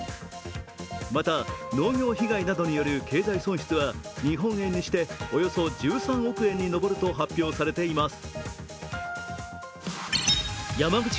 また農業被害などによる経済損失は、日本円にしておよそ１３億円に上ると発表されています。